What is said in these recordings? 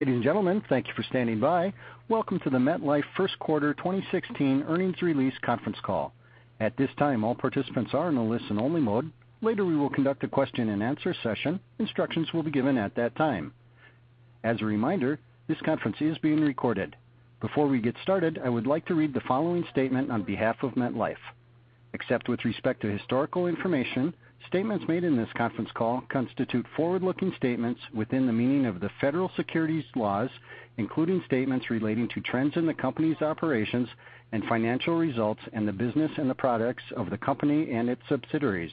Ladies and gentlemen, thank you for standing by. Welcome to the MetLife First Quarter 2016 Earnings Release Conference Call. At this time, all participants are in a listen-only mode. Later, we will conduct a question-and-answer session. Instructions will be given at that time. As a reminder, this conference is being recorded. Before we get started, I would like to read the following statement on behalf of MetLife. Except with respect to historical information, statements made in this conference call constitute forward-looking statements within the meaning of the federal securities laws, including statements relating to trends in the company's operations and financial results and the business and the products of the company and its subsidiaries.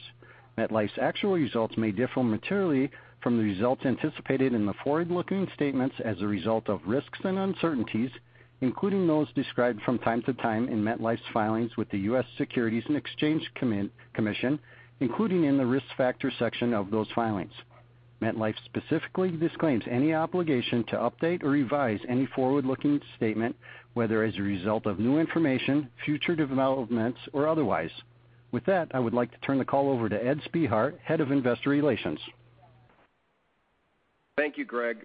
MetLife's actual results may differ materially from the results anticipated in the forward-looking statements as a result of risks and uncertainties, including those described from time to time in MetLife's filings with the U.S. Securities and Exchange Commission, including in the Risk Factors section of those filings. MetLife specifically disclaims any obligation to update or revise any forward-looking statement, whether as a result of new information, future developments, or otherwise. With that, I would like to turn the call over to Ed Spehar, Head of Investor Relations. Thank you, Greg.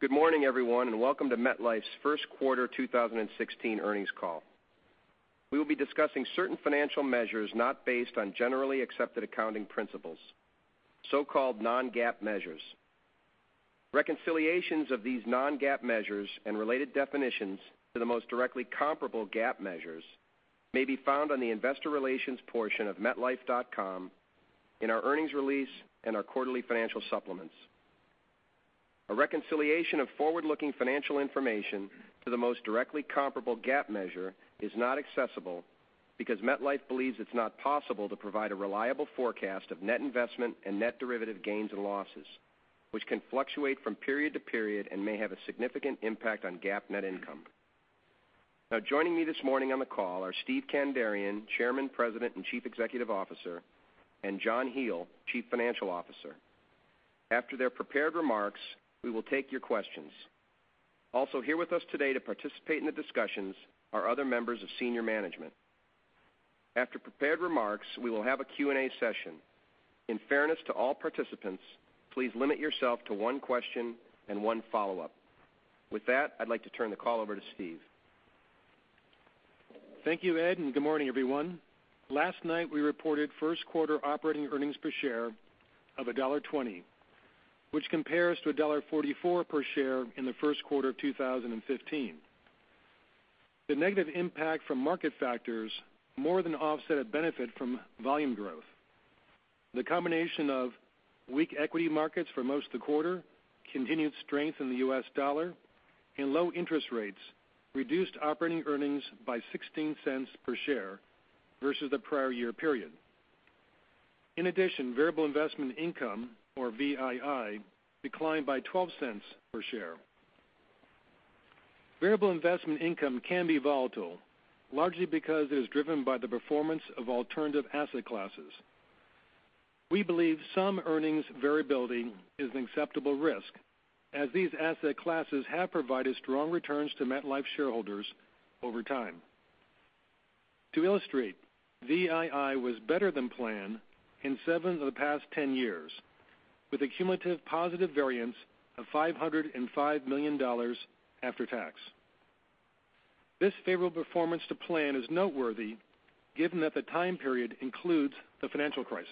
Good morning, everyone, and welcome to MetLife's first quarter 2016 earnings call. We will be discussing certain financial measures not based on generally accepted accounting principles, so-called non-GAAP measures. Reconciliations of these non-GAAP measures and related definitions to the most directly comparable GAAP measures may be found on the investor relations portion of metlife.com, in our earnings release, and our quarterly financial supplements. A reconciliation of forward-looking financial information to the most directly comparable GAAP measure is not accessible because MetLife believes it's not possible to provide a reliable forecast of net investment and net derivative gains and losses, which can fluctuate from period to period and may have a significant impact on GAAP net income. Joining me this morning on the call are Steve Kandarian, Chairman, President, and Chief Executive Officer, and John Hele, Chief Financial Officer. After their prepared remarks, we will take your questions. Also here with us today to participate in the discussions are other members of senior management. After prepared remarks, we will have a Q&A session. In fairness to all participants, please limit yourself to one question and one follow-up. With that, I'd like to turn the call over to Steve. Thank you, Ed, and good morning, everyone. Last night, we reported first quarter operating earnings per share of $1.20, which compares to $1.44 per share in the first quarter of 2015. The negative impact from market factors more than offset a benefit from volume growth. The combination of weak equity markets for most of the quarter, continued strength in the U.S. dollar, and low interest rates reduced operating earnings by $0.16 per share versus the prior year period. In addition, variable investment income, or VII, declined by $0.12 per share. Variable investment income can be volatile, largely because it is driven by the performance of alternative asset classes. We believe some earnings variability is an acceptable risk, as these asset classes have provided strong returns to MetLife shareholders over time. To illustrate, VII was better than planned in seven of the past 10 years, with a cumulative positive variance of $505 million after tax. This Favorable performance to plan is noteworthy given that the time period includes the financial crisis.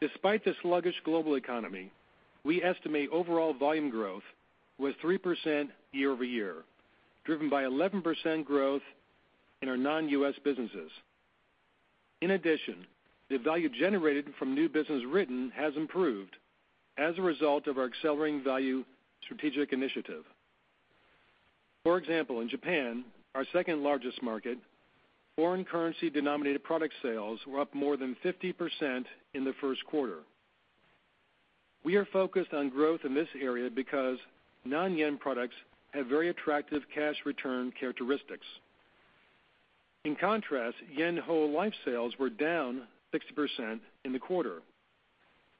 Despite the sluggish global economy, we estimate overall volume growth was 3% year-over-year, driven by 11% growth in our non-U.S. businesses. In addition, the value generated from new business written has improved as a result of our Accelerating Value strategic initiative. For example, in Japan, our second largest market, foreign currency denominated product sales were up more than 50% in the first quarter. We are focused on growth in this area because non-yen products have very attractive cash return characteristics. In contrast, yen whole life sales were down 60% in the quarter.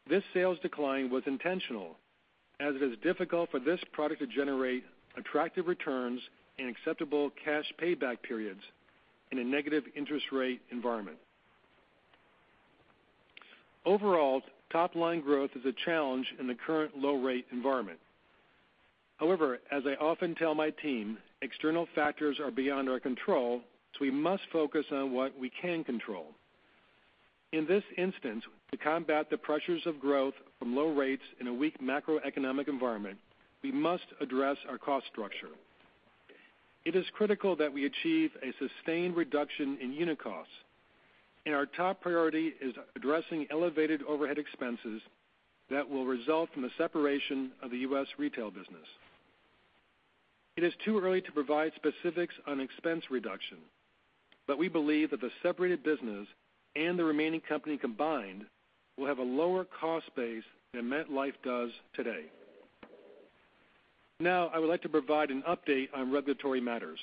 This sales decline was intentional, as it is difficult for this product to generate attractive returns and acceptable cash payback periods in a negative interest rate environment. Overall, top-line growth is a challenge in the current low rate environment. However, as I often tell my team, external factors are beyond our control, so we must focus on what we can control. In this instance, to combat the pressures of growth from low rates in a weak macroeconomic environment, we must address our cost structure. It is critical that we achieve a sustained reduction in unit costs, and our top priority is addressing elevated overhead expenses that will result from the separation of the U.S. retail business. It is too early to provide specifics on expense reduction, but we believe that the separated business and the remaining company combined will have a lower cost base than MetLife does today. Now, I would like to provide an update on regulatory matters.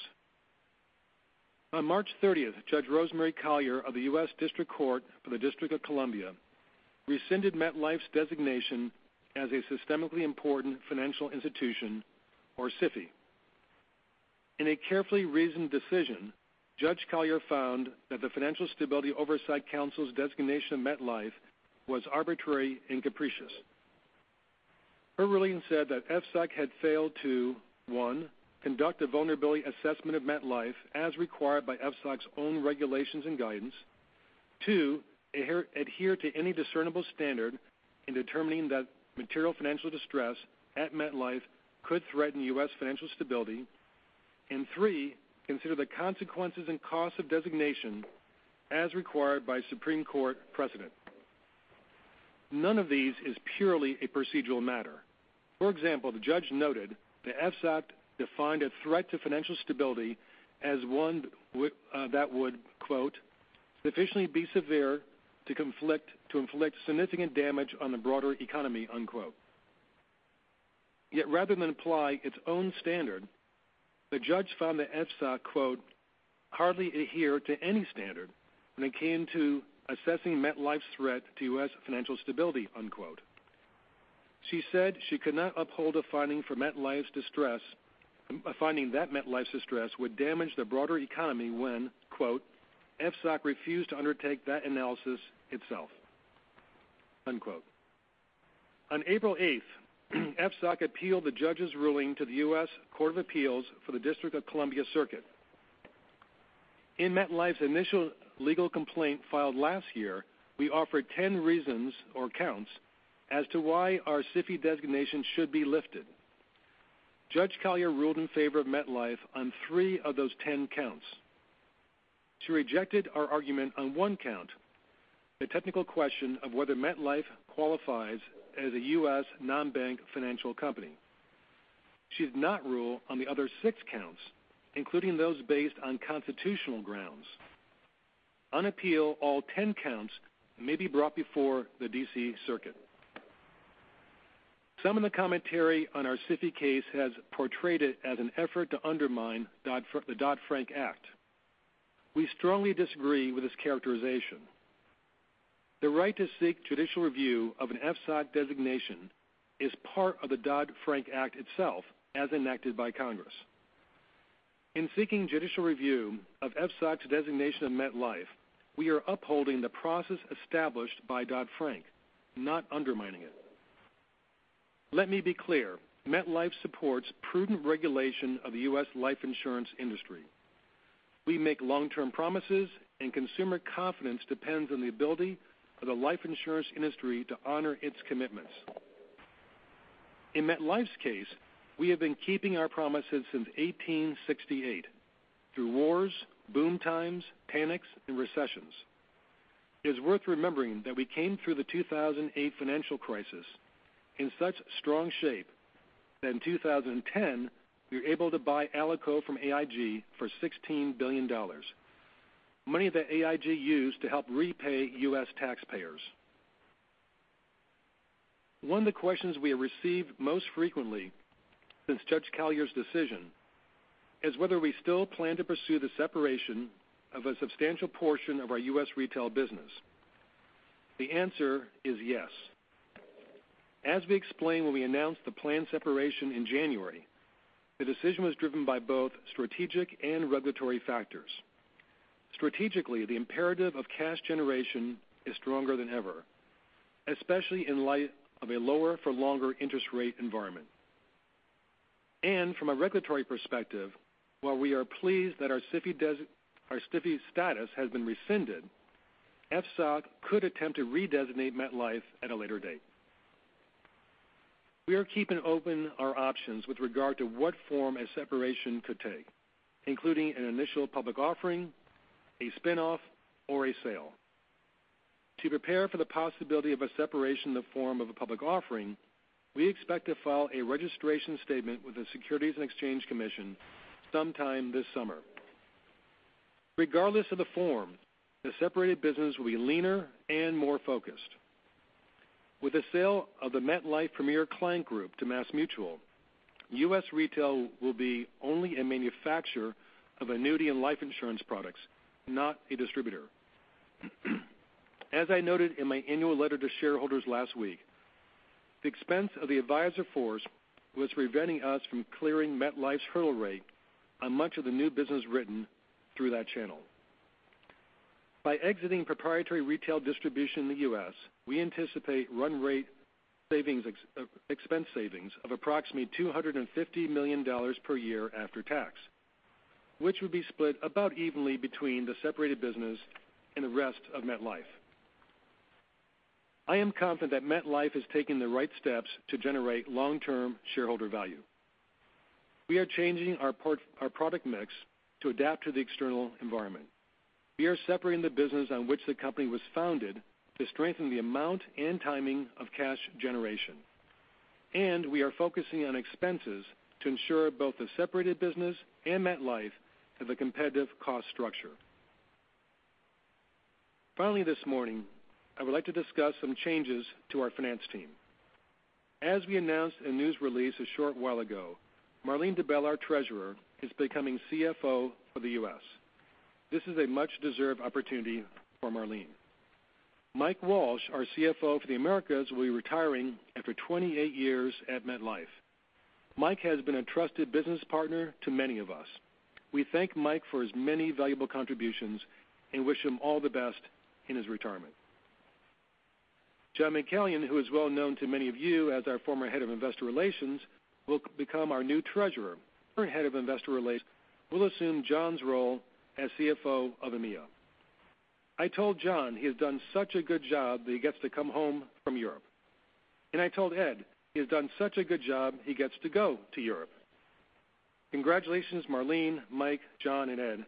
On March 30th, Judge Rosemary Collyer of the United States District Court for the District of Columbia rescinded MetLife's designation as a systemically important financial institution or SIFI. In a carefully reasoned decision, Judge Collyer found that the Financial Stability Oversight Council's designation of MetLife was arbitrary and capricious. Her ruling said that FSOC had failed to, one, conduct a vulnerability assessment of MetLife as required by FSOC's own regulations and guidance. Two, adhere to any discernible standard in determining that material financial distress at MetLife could threaten U.S. financial stability. Three, consider the consequences and costs of designation as required by Supreme Court precedent. None of these is purely a procedural matter. For example, the judge noted that FSOC defined a threat to financial stability as one that would, quote, "sufficiently be severe to inflict significant damage on the broader economy," unquote. Yet rather than apply its own standard, the judge found that FSOC, quote, "hardly adhered to any standard when it came to assessing MetLife's threat to U.S. financial stability," unquote. She said she could not uphold a finding for MetLife's distress, a finding that MetLife's distress would damage the broader economy when, quote, "FSOC refused to undertake that analysis itself," unquote. On April 8th, FSOC appealed the judge's ruling to the United States Court of Appeals for the District of Columbia Circuit. In MetLife's initial legal complaint filed last year, we offered 10 reasons or counts as to why our SIFI designation should be lifted. Judge Collyer ruled in favor of MetLife on three of those 10 counts. She rejected our argument on one count, the technical question of whether MetLife qualifies as a U.S. non-bank financial company. She did not rule on the other six counts, including those based on constitutional grounds. On appeal, all 10 counts may be brought before the D.C. Circuit. Some of the commentary on our SIFI case has portrayed it as an effort to undermine the Dodd-Frank Act. We strongly disagree with this characterization. The right to seek judicial review of an FSOC designation is part of the Dodd-Frank Act itself as enacted by Congress. In seeking judicial review of FSOC's designation of MetLife, we are upholding the process established by Dodd-Frank, not undermining it. Let me be clear. MetLife supports prudent regulation of the U.S. life insurance industry. We make long-term promises, and consumer confidence depends on the ability of the life insurance industry to honor its commitments. In MetLife's case, we have been keeping our promises since 1868, through wars, boom times, panics, and recessions. It is worth remembering that we came through the 2008 financial crisis in such strong shape that in 2010, we were able to buy Alico from AIG for $16 billion. Money that AIG used to help repay U.S. taxpayers. One of the questions we have received most frequently since Judge Collyer's decision is whether we still plan to pursue the separation of a substantial portion of our U.S. retail business. The answer is yes. As we explained when we announced the planned separation in January, the decision was driven by both strategic and regulatory factors. Strategically, the imperative of cash generation is stronger than ever, especially in light of a lower for longer interest rate environment. From a regulatory perspective, while we are pleased that our SIFI status has been rescinded, FSOC could attempt to redesignate MetLife at a later date. We are keeping open our options with regard to what form a separation could take, including an initial public offering, a spin-off or a sale. To prepare for the possibility of a separation in the form of a public offering, we expect to file a registration statement with the U.S. Securities and Exchange Commission sometime this summer. Regardless of the form, the separated business will be leaner and more focused. With the sale of the MetLife Premier Client Group to MassMutual, U.S. Retail will be only a manufacturer of annuity and life insurance products, not a distributor. As I noted in my annual letter to shareholders last week, the expense of the advisor force was preventing us from clearing MetLife's hurdle rate on much of the new business written through that channel. By exiting proprietary retail distribution in the U.S., we anticipate run rate expense savings of approximately $250 million per year after tax, which would be split about evenly between the separated business and the rest of MetLife. I am confident that MetLife is taking the right steps to generate long-term shareholder value. We are changing our product mix to adapt to the external environment. We are separating the business on which the company was founded to strengthen the amount and timing of cash generation. We are focusing on expenses to ensure both the separated business and MetLife have a competitive cost structure. Finally, this morning, I would like to discuss some changes to our finance team. As we announced in a news release a short while ago, Marlene Debel, our Treasurer, is becoming CFO for the U.S. This is a much-deserved opportunity for Marlene. Mike Walsh, our CFO for the Americas, will be retiring after 28 years at MetLife. Mike has been a trusted business partner to many of us. We thank Mike for his many valuable contributions and wish him all the best in his retirement. John McCallion, who is well known to many of you as our former Head of Investor Relations, will become our new Treasurer. Current Head of Investor Relations will assume John's role as CFO of EMEA. I told John he has done such a good job that he gets to come home from Europe. I told Ed he has done such a good job, he gets to go to Europe. Congratulations, Marlene, Mike, John, and Ed,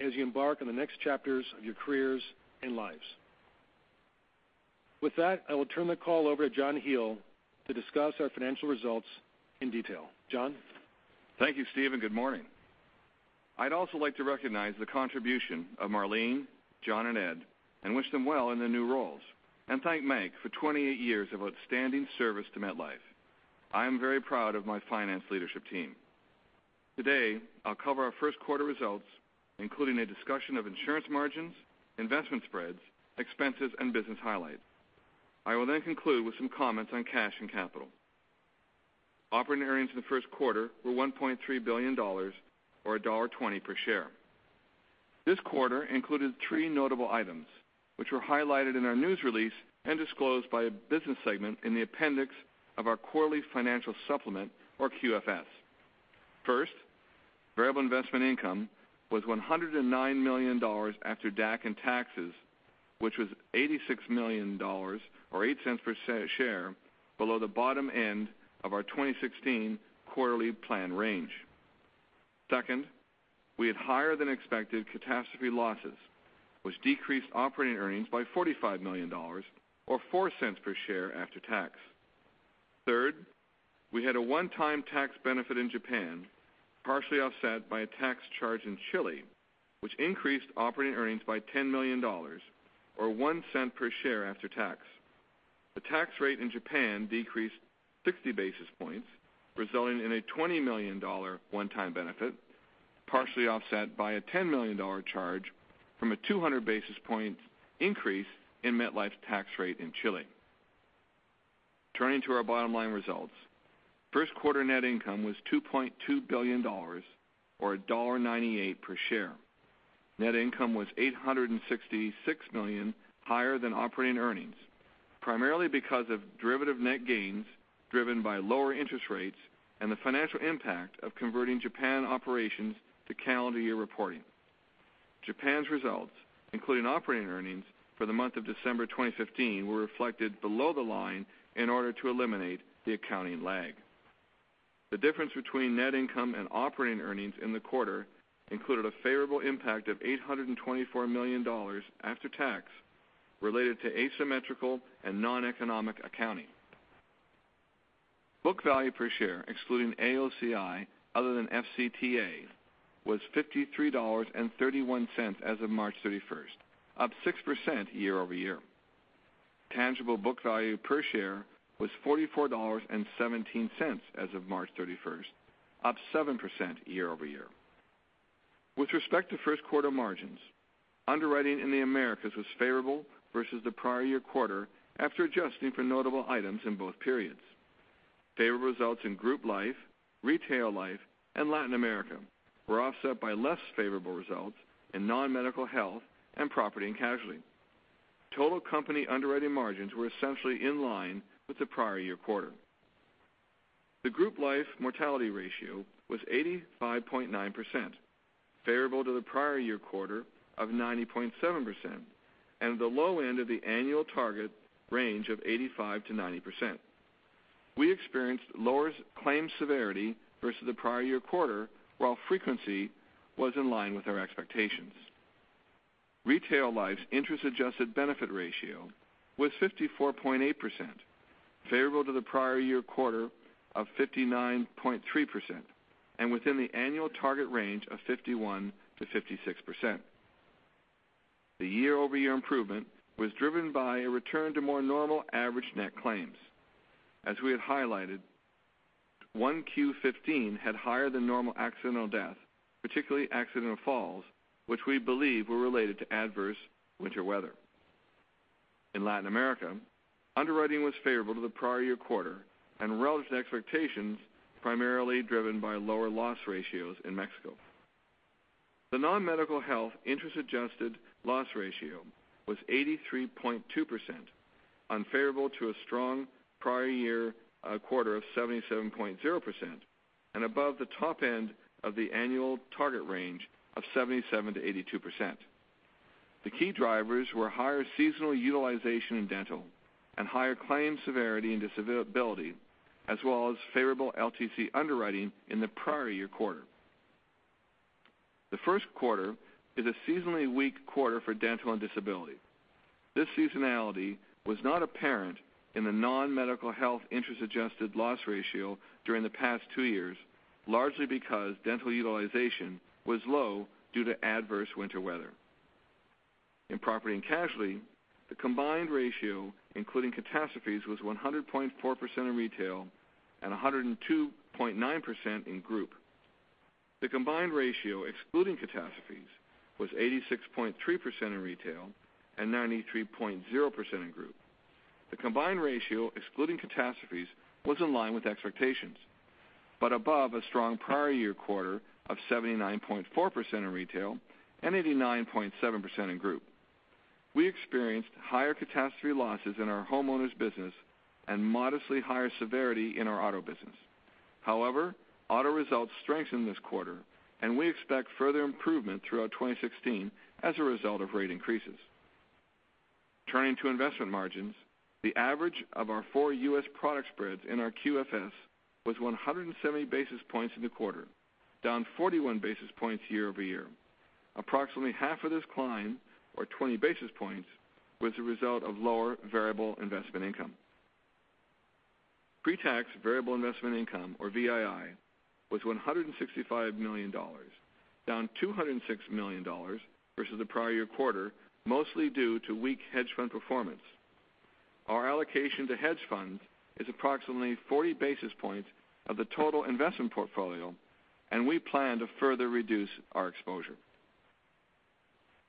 as you embark on the next chapters of your careers and lives. With that, I will turn the call over to John Hele to discuss our financial results in detail. John? Thank you, Steve, and good morning. I would also like to recognize the contribution of Marlene, John, and Ed and wish them well in their new roles, and thank Mike for 28 years of outstanding service to MetLife. I am very proud of my finance leadership team. Today, I will cover our first quarter results, including a discussion of insurance margins, investment spreads, expenses, and business highlights. I will then conclude with some comments on cash and capital. Operating earnings in the first quarter were $1.3 billion, or $1.20 per share. This quarter included three notable items, which were highlighted in our news release and disclosed by a business segment in the appendix of our quarterly financial supplement or QFS. First, variable investment income was $109 million after DAC and taxes, which was $86 million, or $0.08 per share below the bottom end of our 2016 quarterly plan range. Second, we had higher than expected catastrophe losses, which decreased operating earnings by $45 million or $0.04 per share after tax. Third, we had a one-time tax benefit in Japan, partially offset by a tax charge in Chile, which increased operating earnings by $10 million or $0.01 per share after tax. The tax rate in Japan decreased 60 basis points, resulting in a $20 million one-time benefit, partially offset by a $10 million charge from a 200 basis point increase in MetLife's tax rate in Chile. Turning to our bottom line results, first quarter net income was $2.2 billion or $1.98 per share. Net income was $866 million higher than operating earnings, primarily because of derivative net gains driven by lower interest rates and the financial impact of converting Japan operations to calendar year reporting. Japan's results, including operating earnings for the month of December 2015, were reflected below the line in order to eliminate the accounting lag. The difference between net income and operating earnings in the quarter included a Favorable impact of $824 million after tax related to asymmetrical and non-economic accounting. Book value per share excluding AOCI other than FCTA was $53.31 as of March 31st, up 6% year-over-year. Tangible book value per share was $44.17 as of March 31st, up 7% year-over-year. With respect to first quarter margins, underwriting in the Americas was Favorable versus the prior year quarter after adjusting for notable items in both periods. Favorable results in Group Life, Retail Life, and Latin America were offset by less Favorable results in Nonmedical Health and Property and Casualty. Total company underwriting margins were essentially in line with the prior year quarter. The Group Life mortality ratio was 85.9%, Favorable to the prior year quarter of 90.7% and the low end of the annual target range of 85%-90%. We experienced lower claims severity versus the prior year quarter, while frequency was in line with our expectations. Retail Life's interest-adjusted benefit ratio was 54.8%, Favorable to the prior year quarter of 59.3%, and within the annual target range of 51%-56%. The year-over-year improvement was driven by a return to more normal average net claims. As we had highlighted, 1Q15 had higher than normal accidental death, particularly accidental falls, which we believe were related to adverse winter weather. In Latin America, underwriting was Favorable to the prior year quarter and relative to expectations, primarily driven by lower loss ratios in Mexico. The Nonmedical Health interest-adjusted loss ratio was 83.2%, unfavorable to a strong prior year quarter of 77.0% and above the top end of the annual target range of 77%-82%. The key drivers were higher seasonal utilization in dental and higher claim severity and disability, as well as Favorable LTC underwriting in the prior year quarter. The first quarter is a seasonally weak quarter for dental and disability. This seasonality was not apparent in the Nonmedical Health interest-adjusted loss ratio during the past two years, largely because dental utilization was low due to adverse winter weather. In Property and Casualty, the combined ratio, including catastrophes, was 100.4% in retail and 102.9% in group. The combined ratio, excluding catastrophes, was 86.3% in retail and 93.0% in group. The combined ratio, excluding catastrophes, was in line with expectations, but above a strong prior year quarter of 79.4% in retail and 89.7% in group. We experienced higher catastrophe losses in our homeowners business and modestly higher severity in our auto business. Auto results strengthened this quarter, and we expect further improvement throughout 2016 as a result of rate increases. Turning to investment margins, the average of our four U.S. product spreads in our QFS was 170 basis points in the quarter, down 41 basis points year-over-year. Approximately half of this decline, or 20 basis points, was a result of lower variable investment income. Pre-tax variable investment income or VII was $165 million, down $206 million versus the prior year quarter, mostly due to weak hedge fund performance. Our allocation to hedge funds is approximately 40 basis points of the total investment portfolio, and we plan to further reduce our exposure.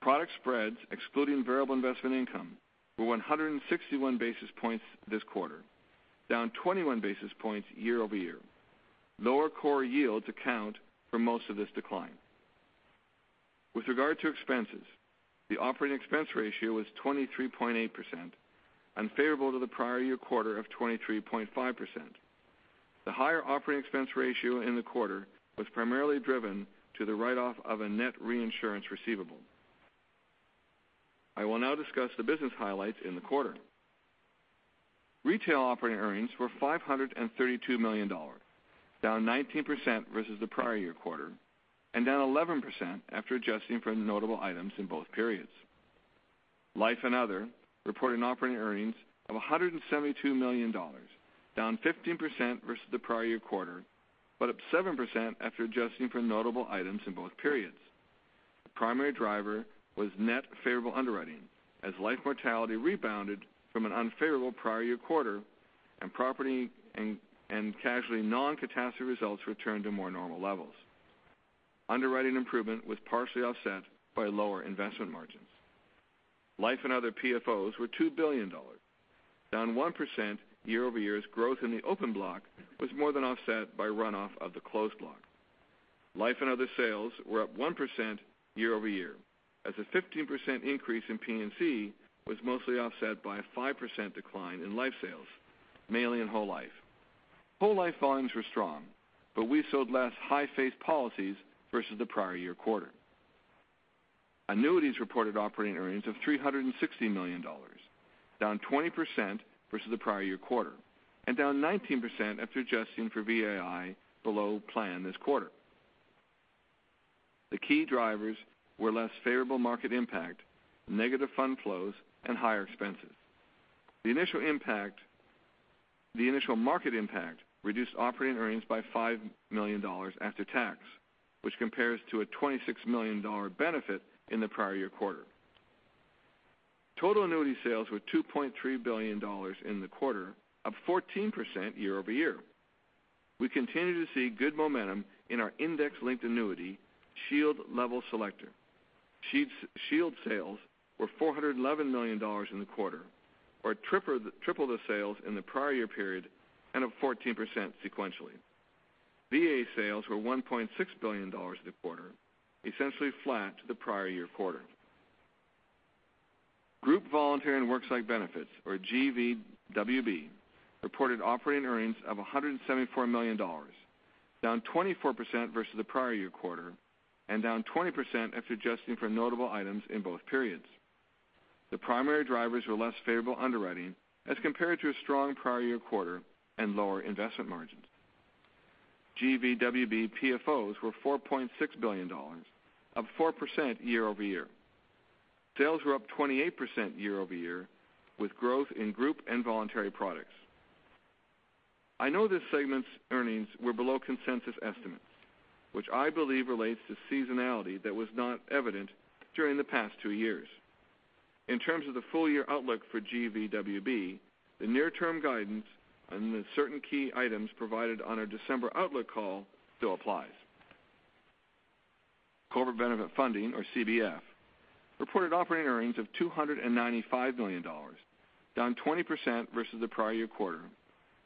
Product spreads, excluding variable investment income, were 161 basis points this quarter, down 21 basis points year-over-year. Lower core yields account for most of this decline. With regard to expenses, the operating expense ratio was 23.8%, Unfavorable to the prior year quarter of 23.5%. The higher operating expense ratio in the quarter was primarily driven to the write-off of a net reinsurance receivable. I will now discuss the business highlights in the quarter. Retail operating earnings were $532 million, down 19% versus the prior year quarter, and down 11% after adjusting for notable items in both periods. Life and Other reported operating earnings of $172 million, down 15% versus the prior year quarter. Up 7% after adjusting for notable items in both periods. The primary driver was net Favorable underwriting as life mortality rebounded from an unfavorable prior year quarter. Property and Casualty non-catastrophe results returned to more normal levels. Underwriting improvement was partially offset by lower investment margins. Life and Other PFOs were $2 billion, down 1% year-over-year, as growth in the open block was more than offset by runoff of the closed block. Life and Other sales were up 1% year-over-year, as a 15% increase in P&C was mostly offset by a 5% decline in life sales, mainly in whole life. Whole life volumes were strong. We sold less high face policies versus the prior year quarter. Annuities reported operating earnings of $360 million, down 20% versus the prior year quarter. Down 19% after adjusting for VII below plan this quarter. The key drivers were less Favorable market impact, negative fund flows, and higher expenses. The initial market impact reduced operating earnings by $5 million after tax, which compares to a $26 million benefit in the prior year quarter. Total annuity sales were $2.3 billion in the quarter, up 14% year-over-year. We continue to see good momentum in our index-linked annuity Shield Level Selector. Shield sales were $411 million in the quarter, or triple the sales in the prior year period. Up 14% sequentially. VA sales were $1.6 billion this quarter, essentially flat to the prior year quarter. Group Voluntary and Worksite Benefits, or GVWB, reported operating earnings of $174 million, down 24% versus the prior year quarter. Down 20% after adjusting for notable items in both periods. The primary drivers were less Favorable underwriting as compared to a strong prior year quarter. Lower investment margins. GVWB PFOs were $4.6 billion, up 4% year-over-year. Sales were up 28% year-over-year, with growth in group and voluntary products. I know this segment's earnings were below consensus estimates, which I believe relates to seasonality that was not evident during the past two years. In terms of the full year outlook for GVWB, the near term guidance on the certain key items provided on our December outlook call still applies. Corporate Benefit Funding, or CBF, reported operating earnings of $295 million, down 20% versus the prior year quarter,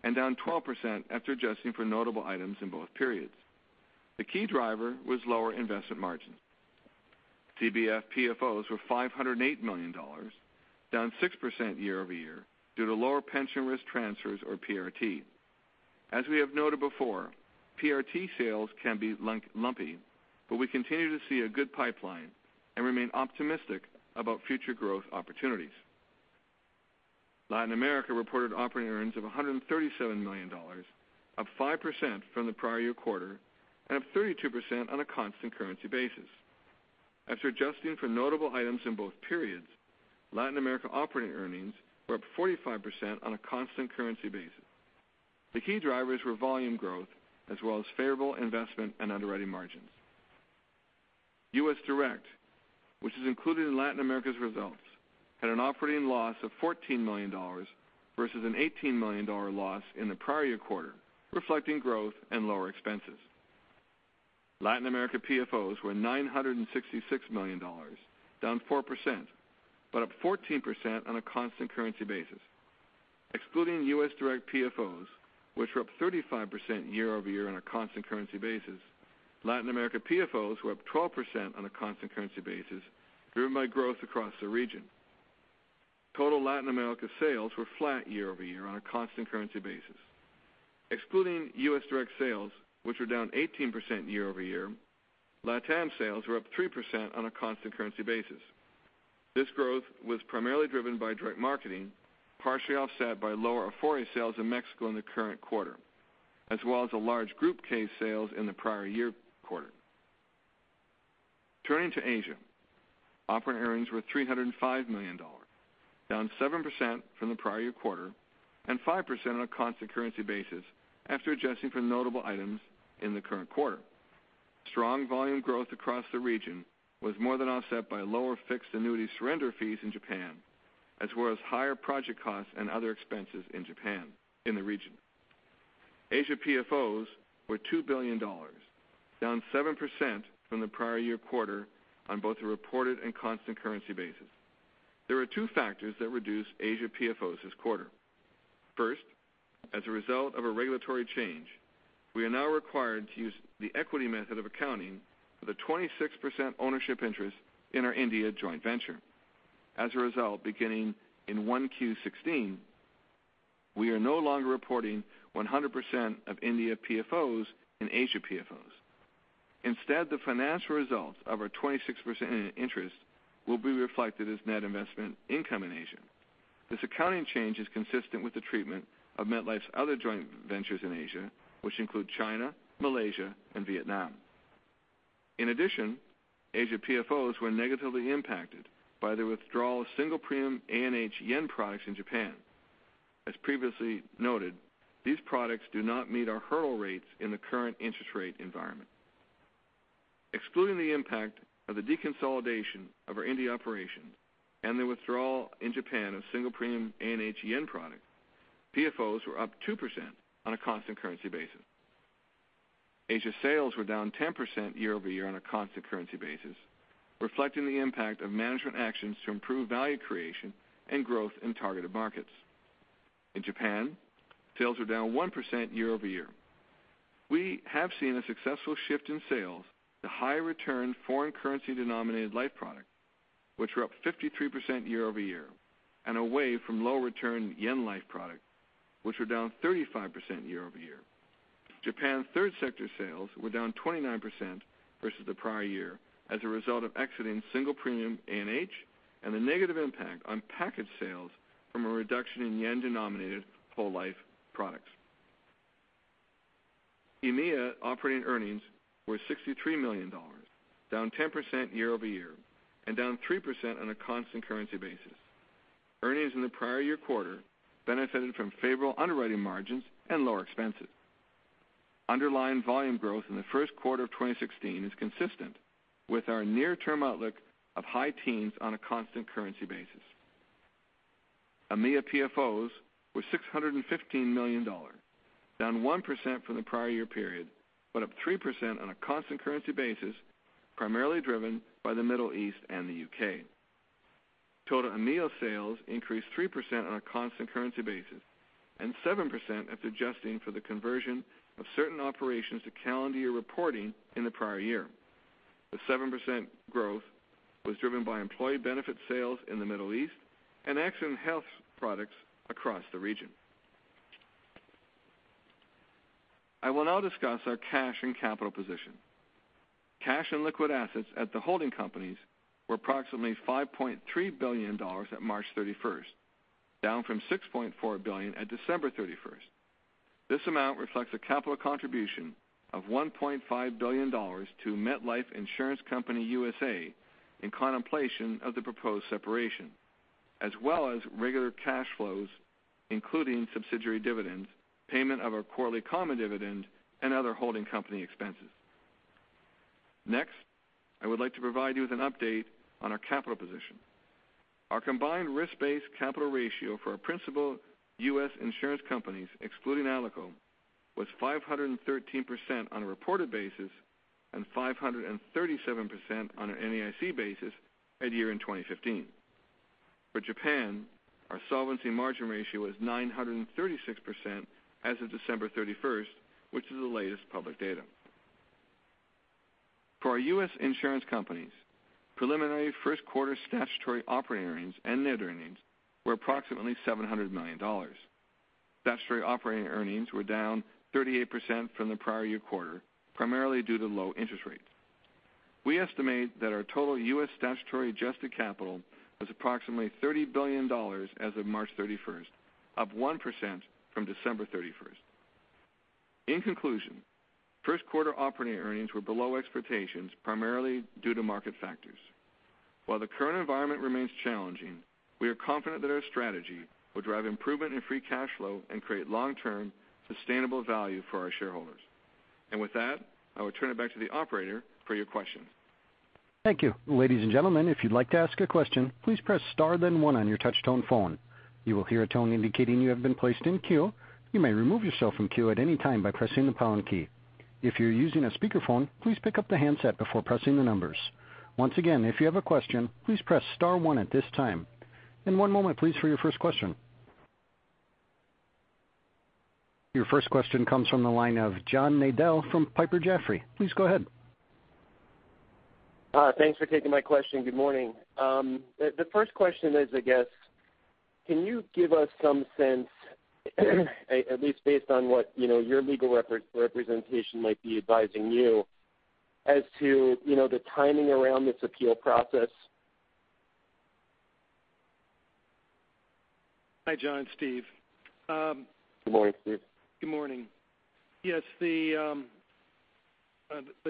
and down 12% after adjusting for notable items in both periods. The key driver was lower investment margins. CBF PFOs were $508 million, down 6% year-over-year due to lower pension risk transfers or PRT. As we have noted before, PRT sales can be lumpy, but we continue to see a good pipeline and remain optimistic about future growth opportunities. Latin America reported operating earnings of $137 million, up 5% from the prior year quarter and up 32% on a constant currency basis. After adjusting for notable items in both periods, Latin America operating earnings were up 45% on a constant currency basis. The key drivers were volume growth as well as favorable investment and underwriting margins. US Direct, which is included in Latin America's results, had an operating loss of $14 million versus an $18 million loss in the prior year quarter, reflecting growth and lower expenses. Latin America PFOs were $966 million, down 4%, but up 14% on a constant currency basis. Excluding US Direct PFOs, which were up 35% year-over-year on a constant currency basis, Latin America PFOs were up 12% on a constant currency basis, driven by growth across the region. Total Latin America sales were flat year-over-year on a constant currency basis. Excluding US Direct sales, which were down 18% year-over-year, LatAm sales were up 3% on a constant currency basis. This growth was primarily driven by direct marketing, partially offset by lower AFORE sales in Mexico in the current quarter, as well as large group case sales in the prior year quarter. Turning to Asia. Operating earnings were $305 million, down 7% from the prior year quarter and 5% on a constant currency basis after adjusting for notable items in the current quarter. Strong volume growth across the region was more than offset by lower fixed annuity surrender fees in Japan, as well as higher project costs and other expenses in the region. Asia PFOs were $2 billion, down 7% from the prior year quarter on both a reported and constant currency basis. There were two factors that reduced Asia PFOs this quarter. First, as a result of a regulatory change, we are now required to use the equity method of accounting for the 26% ownership interest in our India joint venture. As a result, beginning in 1Q16, we are no longer reporting 100% of India PFOs in Asia PFOs. Instead, the financial results of our 26% interest will be reflected as net investment income in Asia. This accounting change is consistent with the treatment of MetLife's other joint ventures in Asia, which include China, Malaysia, and Vietnam. In addition, Asia PFOs were negatively impacted by the withdrawal of single premium A&H yen products in Japan. As previously noted, these products do not meet our hurdle rates in the current interest rate environment. Excluding the impact of the deconsolidation of our India operations and the withdrawal in Japan of single premium A&H yen product, PFOs were up 2% on a constant currency basis. Asia sales were down 10% year-over-year on a constant currency basis, reflecting the impact of management actions to improve value creation and growth in targeted markets. In Japan, sales were down 1% year-over-year. We have seen a successful shift in sales to higher return foreign currency denominated life product, which were up 53% year-over-year, and away from low return yen life product, which were down 35% year-over-year. Japan third sector sales were down 29% versus the prior year as a result of exiting single premium A&H and the negative impact on package sales from a reduction in yen-denominated whole life products. EMEA operating earnings were $63 million, down 10% year-over-year and down 3% on a constant currency basis. Earnings in the prior year quarter benefited from Favorable underwriting margins and lower expenses. Underlying volume growth in the first quarter of 2016 is consistent with our near term outlook of high teens on a constant currency basis. EMEA PFOs were $615 million, down 1% from the prior year period, but up 3% on a constant currency basis, primarily driven by the Middle East and the U.K. Total EMEA sales increased 3% on a constant currency basis, and 7% after adjusting for the conversion of certain operations to calendar year reporting in the prior year. The 7% growth was driven by employee benefit sales in the Middle East and Accident & Health products across the region. I will now discuss our cash and capital position. Cash and liquid assets at the holding companies were approximately $5.3 billion at March 31st, down from $6.4 billion at December 31st. This amount reflects a capital contribution of $1.5 billion to MetLife Insurance Company USA in contemplation of the proposed separation, as well as regular cash flows, including subsidiary dividends, payment of our quarterly common dividend, and other holding company expenses. Next, I would like to provide you with an update on our capital position. Our combined risk-based capital ratio for our principal U.S. insurance companies, excluding Alico, was 513% on a reported basis and 537% on an NAIC basis at year-end 2015. For Japan, our solvency margin ratio was 936% as of December 31st, which is the latest public data. For our U.S. insurance companies, preliminary first quarter statutory operating earnings and net earnings were approximately $700 million. Statutory operating earnings were down 38% from the prior year quarter, primarily due to low interest rates. We estimate that our total U.S. statutory adjusted capital was approximately $30 billion as of March 31st, up 1% from December 31st. In conclusion, first quarter operating earnings were below expectations, primarily due to market factors. While the current environment remains challenging, we are confident that our strategy will drive improvement in free cash flow and create long-term sustainable value for our shareholders. With that, I will turn it back to the operator for your questions. Thank you. Ladies and gentlemen, if you'd like to ask a question, please press star then one on your touch-tone phone. You will hear a tone indicating you have been placed in queue. You may remove yourself from queue at any time by pressing the pound key. If you're using a speakerphone, please pick up the handset before pressing the numbers. Once again, if you have a question, please press star one at this time. One moment, please, for your first question. Your first question comes from the line of John Nadel from Piper Jaffray. Please go ahead. Thanks for taking my question. Good morning. The first question is, can you give us some sense, at least based on what your legal representation might be advising you as to the timing around this appeal process? Hi, John. Steve. Good morning, Steve. Good morning. Yes, the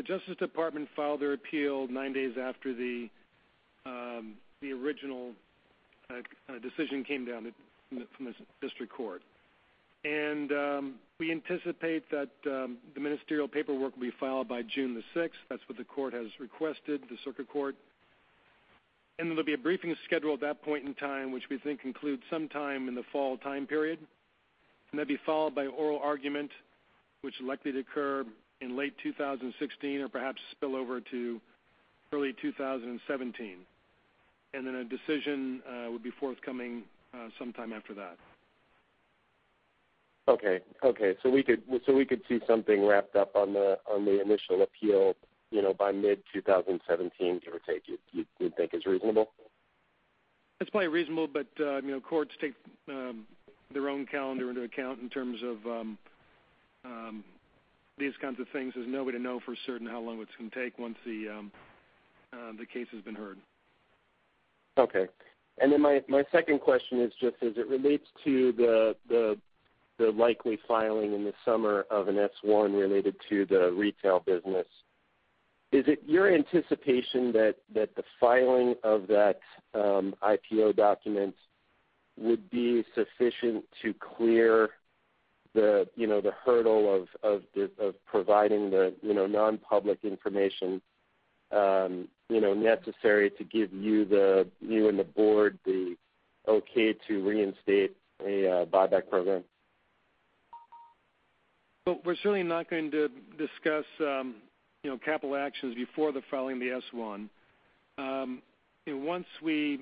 Justice Department filed their appeal nine days after the original decision came down from the district court. We anticipate that the ministerial paperwork will be filed by June 6th. That's what the court has requested, the circuit court. There'll be a briefing schedule at that point in time, which we think includes sometime in the fall time period. That'd be followed by oral argument, which is likely to occur in late 2016 or perhaps spill over to early 2017. A decision would be forthcoming sometime after that. Okay. We could see something wrapped up on the initial appeal by mid-2017, give or take, you would think is reasonable? That's probably reasonable, but courts take their own calendar into account in terms of these kinds of things. There's no way to know for certain how long it's going to take once the case has been heard. Okay. My second question is just as it relates to the likely filing in the summer of an S-1 related to the retail business. Is it your anticipation that the filing of that IPO document would be sufficient to clear the hurdle of providing the non-public information necessary to give you and the board the okay to reinstate a buyback program? Well, we're certainly not going to discuss capital actions before the filing of the S-1. Once we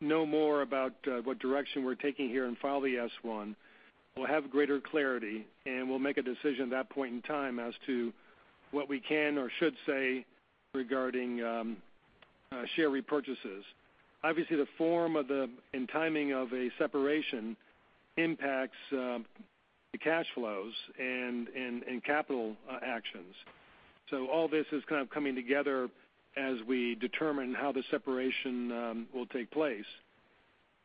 know more about what direction we're taking here and file the S-1, we'll have greater clarity, and we'll make a decision at that point in time as to what we can or should say regarding share repurchases. Obviously, the form and timing of a separation impacts the cash flows and capital actions. All this is kind of coming together as we determine how the separation will take place.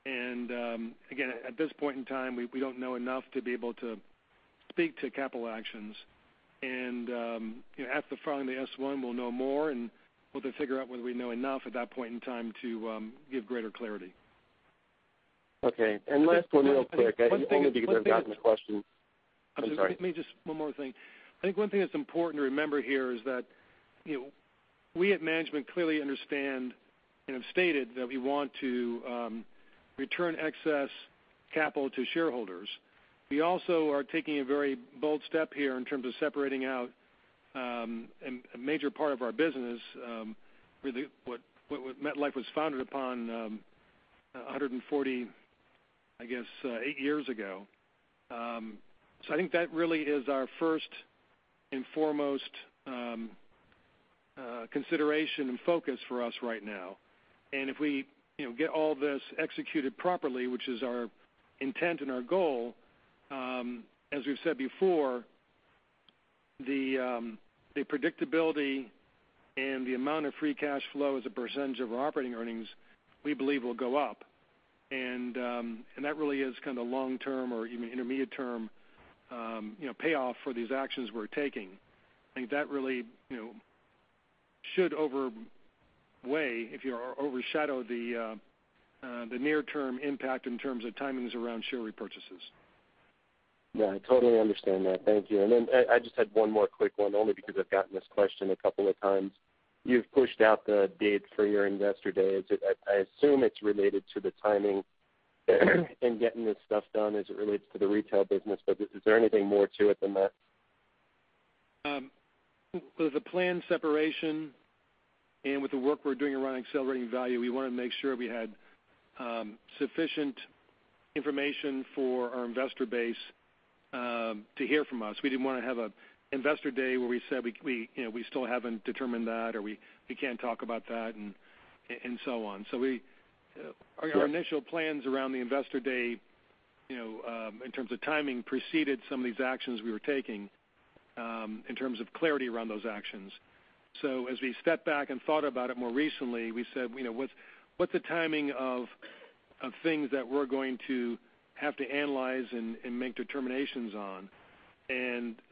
Again, at this point in time, we don't know enough to be able to speak to capital actions. After filing the S-1, we'll know more, and we'll then figure out whether we know enough at that point in time to give greater clarity. Okay, last one real quick, only because I've gotten the question. Let me just, one more thing. I think one thing that's important to remember here is that we at management clearly understand and have stated that we want to return excess capital to shareholders. We also are taking a very bold step here in terms of separating out a major part of our business, really what MetLife was founded upon 140, I guess, eight years ago. I think that really is our first and foremost consideration and focus for us right now. If we get all this executed properly, which is our intent and our goal, as we've said before, the predictability and the amount of free cash flow as a percentage of our operating earnings, we believe will go up. That really is kind of the long-term or even intermediate-term payoff for these actions we're taking. I think that really should overshadow the near-term impact in terms of timings around share repurchases. Yeah, I totally understand that. Thank you. Then I just had one more quick one, only because I've gotten this question a couple of times. You've pushed out the date for your Investor Day. I assume it's related to the timing in getting this stuff done as it relates to the retail business, is there anything more to it than that? With the planned separation and with the work we're doing around Accelerating Value, we want to make sure we had sufficient information for our investor base to hear from us. We didn't want to have an Investor Day where we said we still haven't determined that, or we can't talk about that, and so on. Our initial plans around the Investor Day, in terms of timing, preceded some of these actions we were taking in terms of clarity around those actions. As we stepped back and thought about it more recently, we said, what's the timing of things that we're going to have to analyze and make determinations on.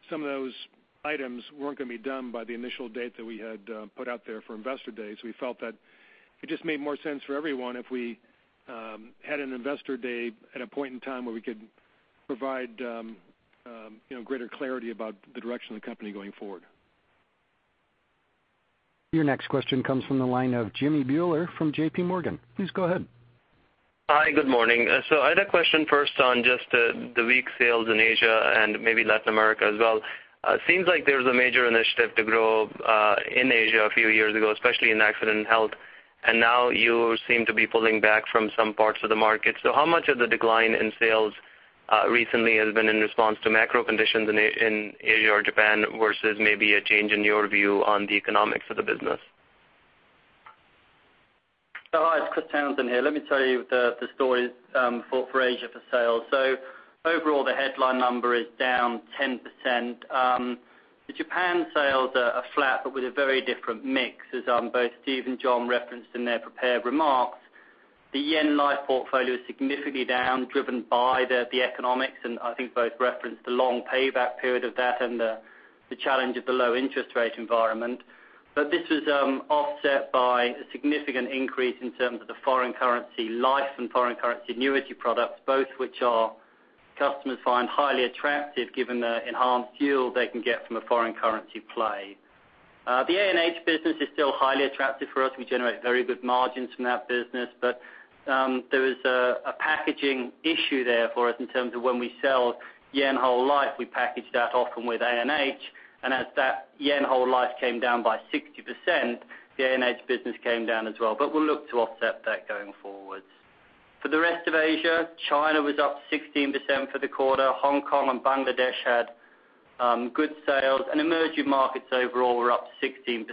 Some of those items weren't going to be done by the initial date that we had put out there for Investor Day. We felt that it just made more sense for everyone if we had an Investor Day at a point in time where we could provide greater clarity about the direction of the company going forward. Your next question comes from the line of Jimmy Bhullar from JP Morgan. Please go ahead. Hi, good morning. I had a question first on just the weak sales in Asia and maybe Latin America as well. Seems like there was a major initiative to grow in Asia a few years ago, especially in Accident & Health, and now you seem to be pulling back from some parts of the market. How much of the decline in sales recently has been in response to macro conditions in Asia or Japan versus maybe a change in your view on the economics of the business? Hi, it's Chris Townsend here. Let me tell you the stories for Asia for sales. Overall, the headline number is down 10%. The Japan sales are flat but with a very different mix, as both Steve and John referenced in their prepared remarks. The yen life portfolio is significantly down, driven by the economics, and I think both referenced the long payback period of that and the challenge of the low interest rate environment. This was offset by a significant increase in terms of the foreign currency life and foreign currency annuity products, both which our customers find highly attractive given the enhanced yield they can get from a foreign currency play. The A&H business is still highly attractive for us. We generate very good margins from that business. There is a packaging issue there for us in terms of when we sell yen whole life, we package that often with A&H. As that yen whole life came down by 60%, the A&H business came down as well. We'll look to offset that going forward. For the rest of Asia, China was up 16% for the quarter. Hong Kong and Bangladesh had good sales, and emerging markets overall were up 16%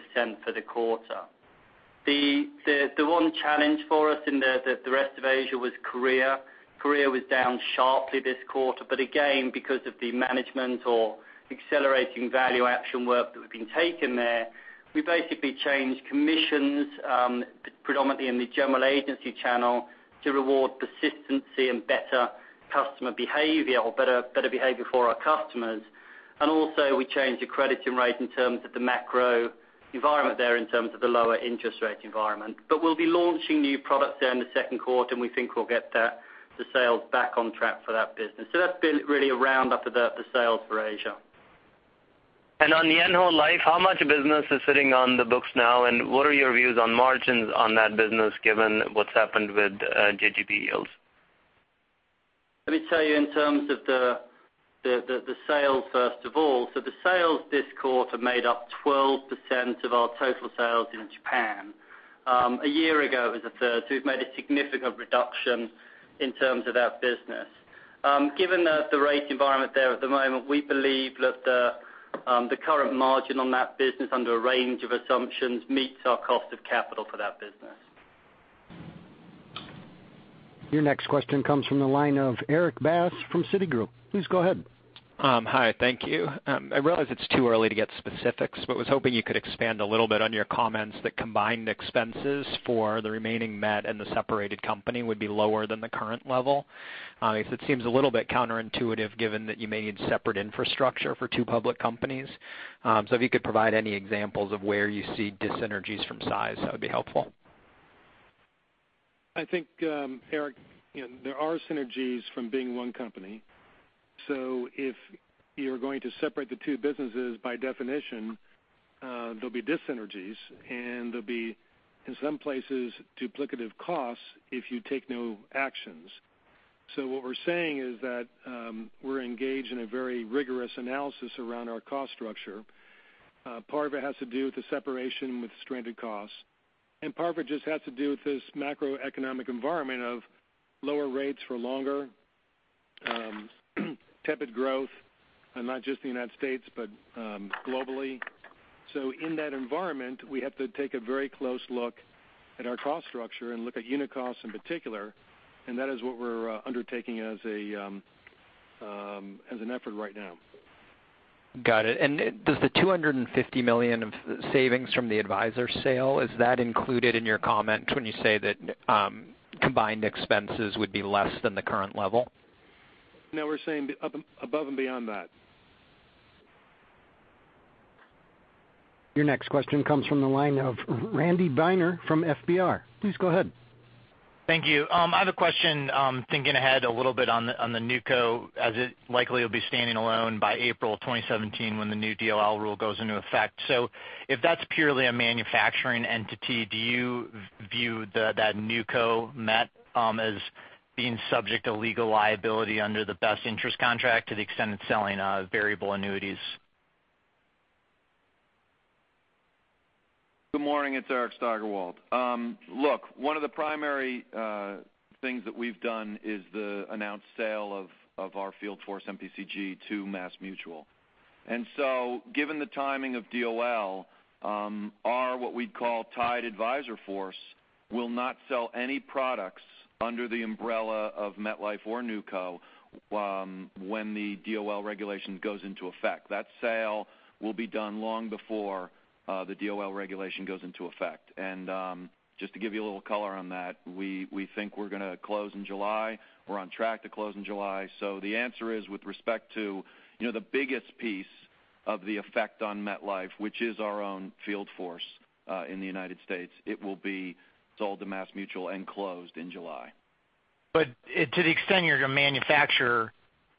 for the quarter. The one challenge for us in the rest of Asia was Korea. Korea was down sharply this quarter. Again, because of the Accelerating Value action work that had been taken there, we basically changed commissions predominantly in the general agency channel to reward persistency and better customer behavior or better behavior for our customers. Also we changed the crediting rate in terms of the macro environment there in terms of the lower interest rate environment. We'll be launching new products there in the second quarter, and we think we'll get the sales back on track for that business. That's been really a roundup of the sales for Asia. On yen whole life, how much business is sitting on the books now, and what are your views on margins on that business, given what's happened with JGB yields? Let me tell you in terms of the sales, first of all. The sales this quarter made up 12% of our total sales in Japan. A year ago, it was a third, so we've made a significant reduction in terms of that business. Given the rate environment there at the moment, we believe that the current margin on that business, under a range of assumptions, meets our cost of capital for that business. Your next question comes from the line of Erik Bass from Citigroup. Please go ahead. Hi, thank you. I realize it's too early to get specifics, but was hoping you could expand a little bit on your comments that combined expenses for the remaining MetLife and the separated company would be lower than the current level. It seems a little bit counterintuitive, given that you may need separate infrastructure for two public companies. If you could provide any examples of where you see dis-synergies from size, that would be helpful. I think, Erik, there are synergies from being one company. If you're going to separate the two businesses, by definition, there'll be dis-synergies, and there'll be, in some places, duplicative costs if you take no actions. What we're saying is that we're engaged in a very rigorous analysis around our cost structure. Part of it has to do with the separation with stranded costs, and part of it just has to do with this macroeconomic environment of lower rates for longer, tepid growth, and not just in the U.S., but globally. In that environment, we have to take a very close look at our cost structure and look at unit costs in particular, and that is what we're undertaking as an effort right now. Got it. Does the $250 million of savings from the advisor sale, is that included in your comment when you say that combined expenses would be less than the current level? No, we're saying above and beyond that. Your next question comes from the line of Randy Binner from FBR. Please go ahead. Thank you. I have a question, thinking ahead a little bit on the NewCo as it likely will be standing alone by April 2017 when the new DOL rule goes into effect. If that's purely a manufacturing entity, do you view that NewCo Met as being subject to legal liability under the best interest contract to the extent it's selling variable annuities? Good morning, it's Eric Steigerwalt. Look, one of the primary things that we've done is the announced sale of our field force MPCG to MassMutual. Given the timing of DOL, our what we'd call tied advisor force will not sell any products under the -of MetLife or NewCo when the DOL regulation goes into effect. That sale will be done long before the DOL regulation goes into effect. Just to give you a little color on that, we think we're going to close in July. We're on track to close in July. The answer is, with respect to the biggest piece of the effect on MetLife, which is our own field force in the United States, it will be sold to MassMutual and closed in July. To the extent you're a manufacturer,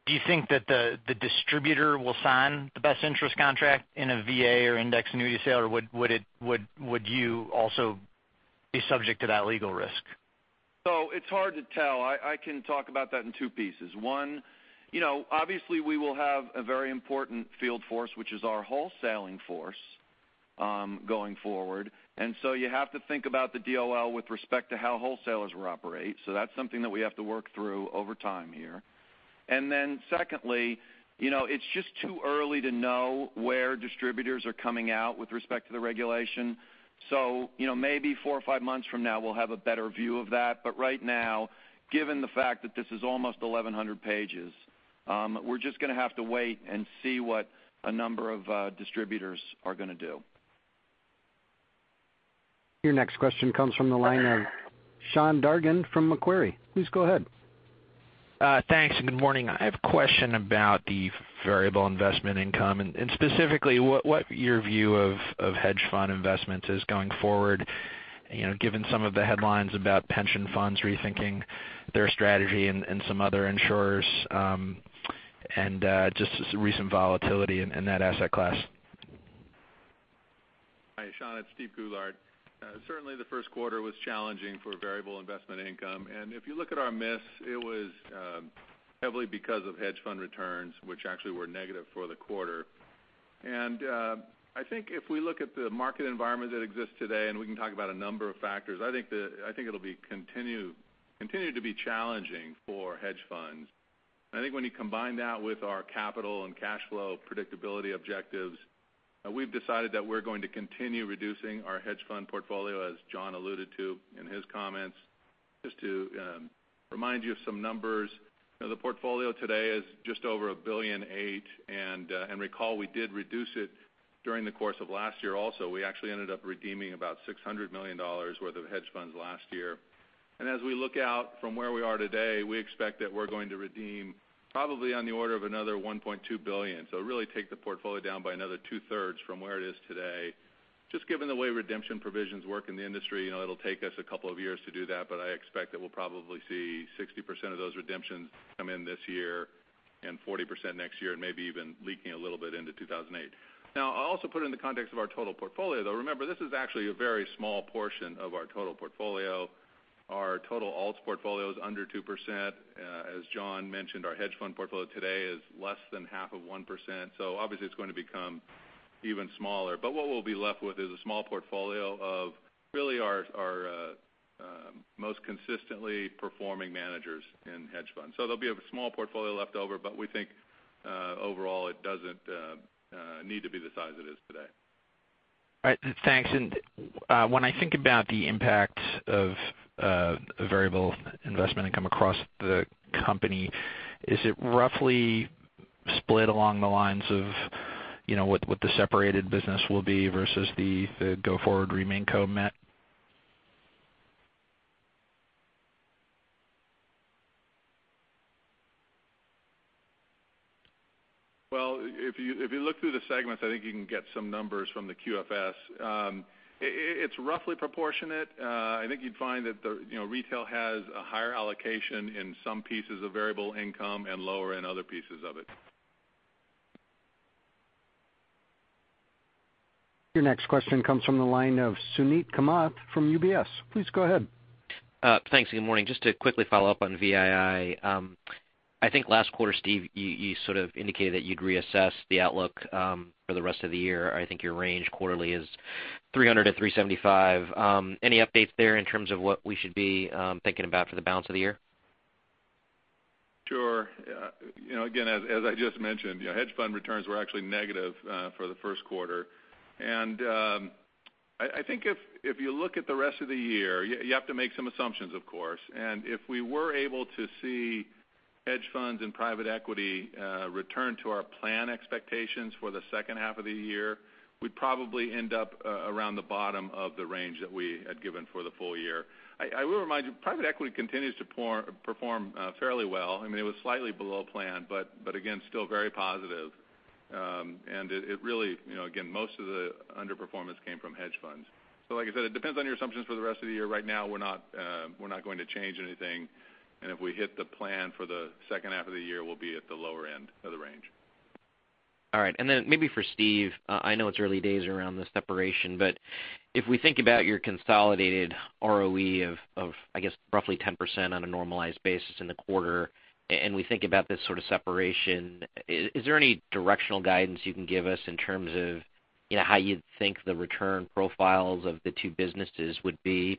do you think that the distributor will sign the best interest contract in a VA or index annuity sale or would you also be subject to that legal risk? It's hard to tell. I can talk about that in two pieces. One, obviously we will have a very important field force, which is our wholesaling force, going forward. You have to think about the DOL with respect to how wholesalers will operate. That's something that we have to work through over time here. Secondly, it's just too early to know where distributors are coming out with respect to the regulation. Maybe four or five months from now we'll have a better view of that. Right now, given the fact that this is almost 1,100 pages, we're just going to have to wait and see what a number of distributors are going to do. Your next question comes from the line of Sean Dargan from Macquarie. Please go ahead. Thanks, good morning. I have a question about the variable investment income, specifically, what your view of hedge fund investments is going forward, given some of the headlines about pension funds rethinking their strategy and some other insurers, just recent volatility in that asset class. Hi, Sean. It's Steven Goulart. Certainly the first quarter was challenging for variable investment income. If you look at our miss, it was heavily because of hedge fund returns, which actually were negative for the quarter. I think if we look at the market environment that exists today, we can talk about a number of factors, I think it'll continue to be challenging for hedge funds. I think when you combine that with our capital and cash flow predictability objectives, we've decided that we're going to continue reducing our hedge fund portfolio, as John alluded to in his comments. Just to remind you of some numbers, the portfolio today is just over $1.8 billion, recall we did reduce it during the course of last year also. We actually ended up redeeming about $600 million worth of hedge funds last year. As we look out from where we are today, we expect that we're going to redeem probably on the order of another $1.2 billion. Really take the portfolio down by another two-thirds from where it is today. Just given the way redemption provisions work in the industry, it'll take us a couple of years to do that, but I expect that we'll probably see 60% of those redemptions come in this year and 40% next year, and maybe even leaking a little bit into 20018. I'll also put it in the context of our total portfolio, though. Remember, this is actually a very small portion of our total portfolio. Our total alts portfolio is under 2%. As John mentioned, our hedge fund portfolio today is less than half of 1%, obviously it's going to become even smaller. What we'll be left with is a small portfolio of really our most consistently performing managers in hedge funds. There'll be a small portfolio left over, but we think, overall, it doesn't need to be the size it is today. All right. Thanks. When I think about the impact of variable investment income across the company, is it roughly split along the lines of what the separated business will be versus the go forward RemainCo Met? Well, if you look through the segments, I think you can get some numbers from the QFS. It's roughly proportionate. I think you'd find that Retail has a higher allocation in some pieces of variable income and lower in other pieces of it. Your next question comes from the line of Suneet Kamath from UBS. Please go ahead. Thanks. Good morning. Just to quickly follow up on VII. I think last quarter, Steve, you sort of indicated that you'd reassess the outlook for the rest of the year. I think your range quarterly is $300-$375. Any updates there in terms of what we should be thinking about for the balance of the year? Sure. As I just mentioned, hedge fund returns were actually negative for the first quarter. I think if you look at the rest of the year, you have to make some assumptions, of course. If we were able to see hedge funds and private equity return to our plan expectations for the second half of the year, we'd probably end up around the bottom of the range that we had given for the full year. I will remind you, private equity continues to perform fairly well. I mean, it was slightly below plan, but again, still very positive. It really, again, most of the underperformance came from hedge funds. Like I said, it depends on your assumptions for the rest of the year. Right now, we're not going to change anything. If we hit the plan for the second half of the year, we'll be at the lower end of the range. All right. Then maybe for Steve, I know it's early days around the separation, but if we think about your consolidated ROE of, I guess, roughly 10% on a normalized basis in the quarter, and we think about this sort of separation, is there any directional guidance you can give us in terms of how you think the return profiles of the two businesses would be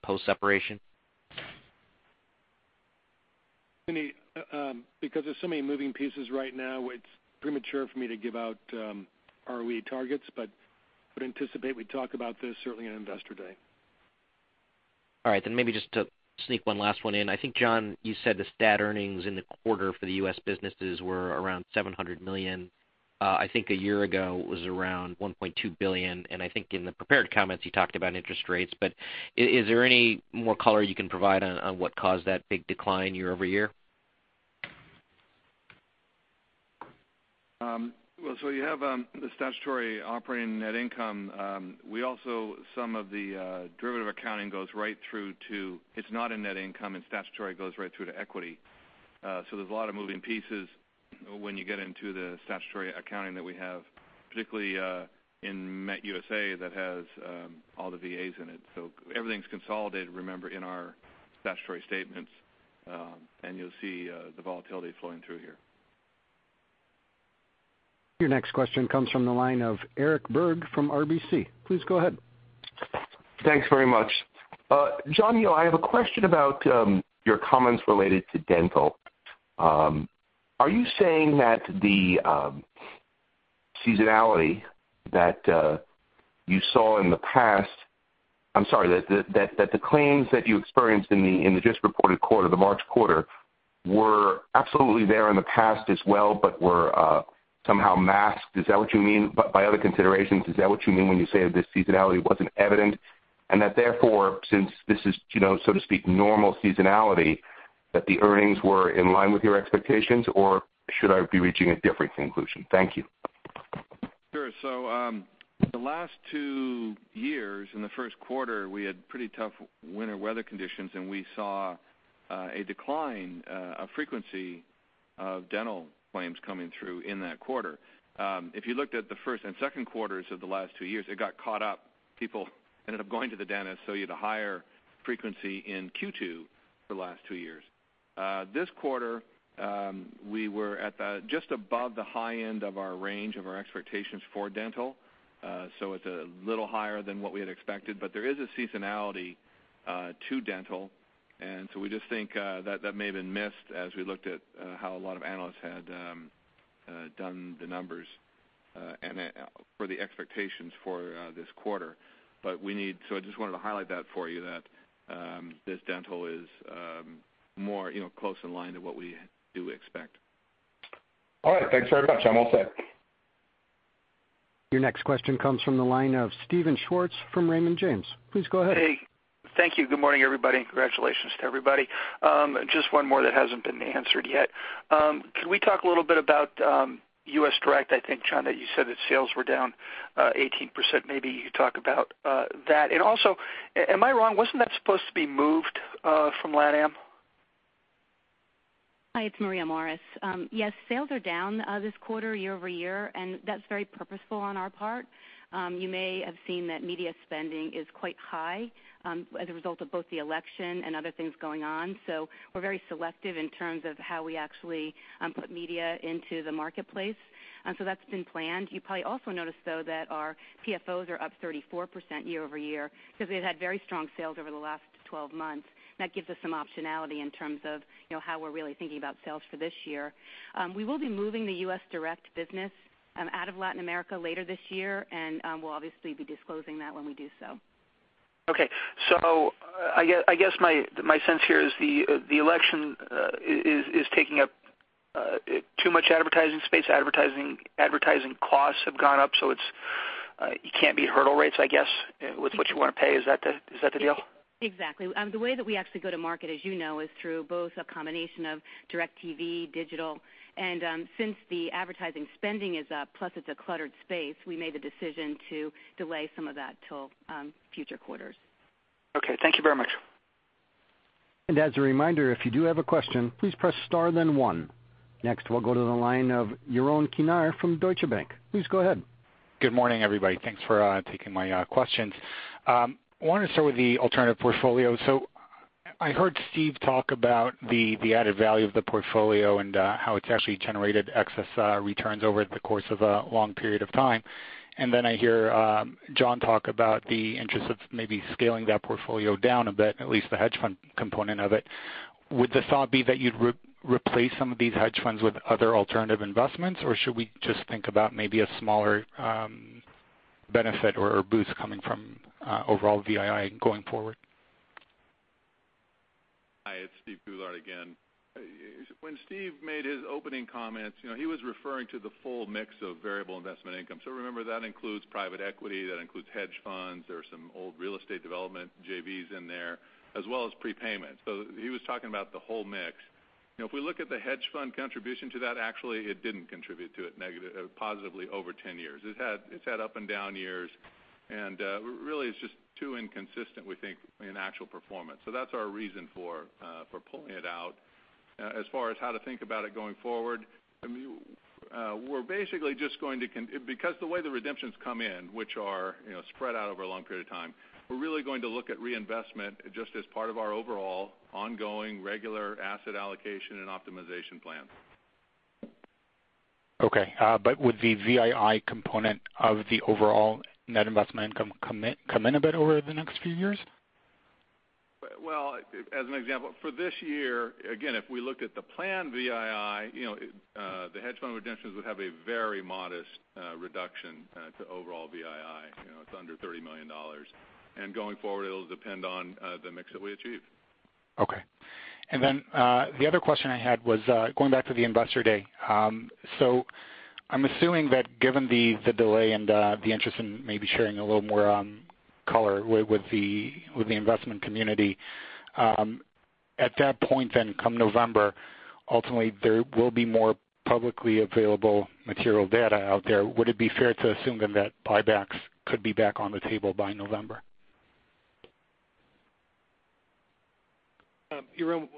post-separation? Suneet, because there's so many moving pieces right now, it's premature for me to give out ROE targets. I would anticipate we'd talk about this certainly in Investor Day. All right, maybe just to sneak one last one in. I think, John, you said the stat earnings in the quarter for the U.S. businesses were around $700 million. I think a year ago it was around $1.2 billion, and I think in the prepared comments, you talked about interest rates, but is there any more color you can provide on what caused that big decline year-over-year? You have the statutory operating net income. Some of the derivative accounting goes right through to, it's not in net income, and statutory goes right through to equity. There's a lot of moving pieces when you get into the statutory accounting that we have, particularly in MetLife USA that has all the VAs in it. Everything's consolidated, remember, in our statutory statements, and you'll see the volatility flowing through here. Your next question comes from the line of Eric Berg from RBC. Please go ahead. Thanks very much. John Hele, I have a question about your comments related to dental. Are you saying that the seasonality that you saw in the past, that the claims that you experienced in the just reported quarter, the March quarter, were absolutely there in the past as well, but were somehow masked, is that what you mean, by other considerations? Is that what you mean when you say that this seasonality wasn't evident and that therefore, since this is, so to speak, normal seasonality, that the earnings were in line with your expectations, or should I be reaching a different conclusion? Thank you. Sure. The last two years in the first quarter, we had pretty tough winter weather conditions, and we saw a decline of frequency of dental claims coming through in that quarter. If you looked at the first and second quarters of the last two years, it got caught up. People ended up going to the dentist, you had a higher frequency in Q2 for the last two years. This quarter, we were at just above the high end of our range of our expectations for dental. It's a little higher than what we had expected, but there is a seasonality to dental, and we just think that may have been missed as we looked at how a lot of analysts had done the numbers for the expectations for this quarter. I just wanted to highlight that for you, that this dental is more close in line to what we do expect. All right. Thanks very much. I'm all set. Your next question comes from the line of Steven Schwartz from Raymond James. Please go ahead. Hey. Thank you. Good morning, everybody, and congratulations to everybody. Just one more that hasn't been answered yet. Could we talk a little bit about U.S. Direct? I think, John, that you said that sales were down 18%. Maybe you could talk about that. Also, am I wrong? Wasn't that supposed to be moved from LatAm? Hi, it's Maria Morris. Yes, sales are down this quarter, year-over-year, that's very purposeful on our part. You may have seen that media spending is quite high as a result of both the election and other things going on. We're very selective in terms of how we actually put media into the marketplace. That's been planned. You probably also noticed, though, that our PFOs are up 34% year-over-year because they've had very strong sales over the last 12 months. That gives us some optionality in terms of how we're really thinking about sales for this year. We will be moving the U.S. Direct business out of Latin America later this year, we'll obviously be disclosing that when we do so. Okay. I guess my sense here is the election is taking up too much advertising space. Advertising costs have gone up, so you can't beat hurdle rates, I guess, with what you want to pay. Is that the deal? Exactly. The way that we actually go to market, as you know, is through both a combination of direct TV, digital, and since the advertising spending is up, plus it's a cluttered space, we made the decision to delay some of that till future quarters. Okay. Thank you very much. As a reminder, if you do have a question, please press star then one. Next, we'll go to the line of Yaron Kinar from Deutsche Bank. Please go ahead. Good morning, everybody. Thanks for taking my questions. I want to start with the alternative portfolio. I heard Steve talk about the added value of the portfolio and how it's actually generated excess returns over the course of a long period of time. Then I hear John talk about the interest of maybe scaling that portfolio down a bit, at least the hedge fund component of it. Would the thought be that you'd replace some of these hedge funds with other alternative investments, or should we just think about maybe a smaller benefit or boost coming from overall VII going forward? Hi, it's Steve Goulart again. When Steve made his opening comments, he was referring to the full mix of variable investment income. Remember, that includes private equity, that includes hedge funds. There are some old real estate development JVs in there, as well as prepayments. He was talking about the whole mix. If we look at the hedge fund contribution to that, actually, it didn't contribute to it positively over 10 years. Really it's just too inconsistent, we think, in actual performance. That's our reason for pulling it out. As far as how to think about it going forward, because the way the redemptions come in, which are spread out over a long period of time, we're really going to look at reinvestment just as part of our overall ongoing regular asset allocation and optimization plan. Okay. Would the VII component of the overall net investment income come in a bit over the next few years? Well, as an example, for this year, again, if we looked at the planned VII, the hedge fund redemptions would have a very modest reduction to overall VII. It's under $30 million. Going forward, it'll depend on the mix that we achieve. Okay. The other question I had was going back to the Investor Day. I'm assuming that given the delay and the interest in maybe sharing a little more color with the investment community, at that point come November, ultimately there will be more publicly available material data out there. Would it be fair to assume that buybacks could be back on the table by November? Yaron,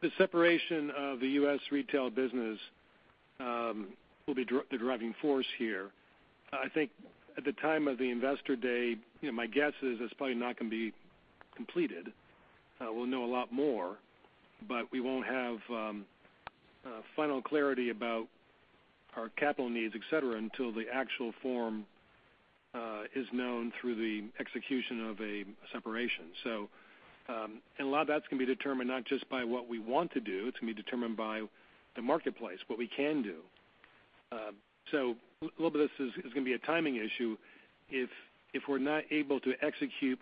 the separation of the U.S. retail business will be the driving force here. I think at the time of the Investor Day, my guess is it's probably not going to be completed. We'll know a lot more, but we won't have final clarity about our capital needs, et cetera, until the actual form is known through the execution of a separation. A lot of that's going to be determined not just by what we want to do. It's going to be determined by the marketplace, what we can do. A little bit of this is going to be a timing issue. If we're not able to execute